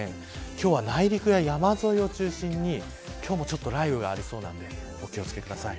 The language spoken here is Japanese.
今日は内陸や山沿いを中心に雷雨がありそうなのでお気を付けください。